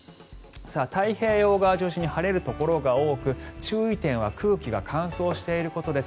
太平洋側を中心に晴れるところが多く注意点は空気が乾燥していることです。